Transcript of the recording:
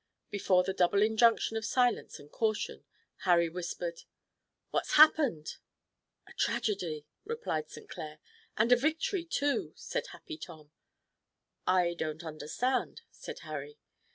Before the double injunction of silence and caution, Harry whispered: "What's happened?" "A tragedy," replied St. Clair. "And a victory, too," said Happy Tom. "I don't understand," said Harry.